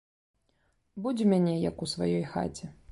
Будзь у мяне, як у сваёй хаце.